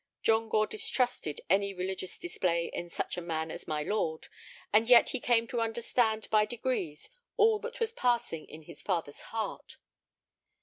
John Gore distrusted any religious display in such a man as my lord. And yet he came to understand by degrees all that was passing in his father's heart.